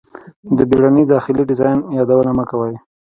د بیړني داخلي ډیزاین یادونه مه کوئ